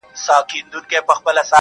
لږه دورې زيارت ته راسه زما واده دی گلي,